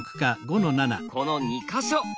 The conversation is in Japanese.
この２か所。